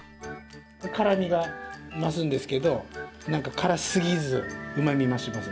辛みが増すんですけどなんか辛すぎずうまみ増しますね。